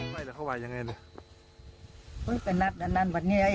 ใกล้หาเข้าไปยังไงเนี่ย